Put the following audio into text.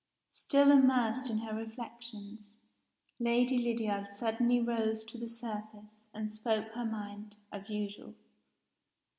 Still immersed in her reflections, Lady Lydiard suddenly rose to the surface, and spoke her mind, as usual.